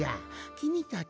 きみたち